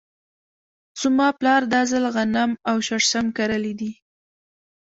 زما پلار دا ځل غنم او شړشم کرلي دي .